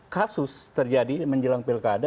kasus terjadi menjelang pilkada